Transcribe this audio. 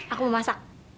aku mau masak